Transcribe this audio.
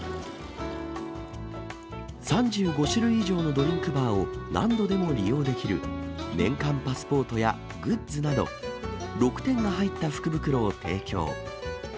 ３５種類以上のドリンクバーを何度でも利用できる、年間パスポートやグッズなど、６点が入った福袋を提供。